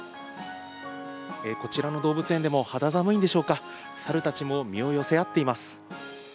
こちらの動物園でも、肌寒いんでしょうか、猿たちも身を寄せ合っています。